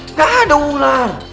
tidak ada ular